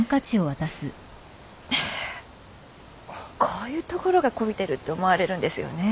こういうところがこびてるって思われるんですよね。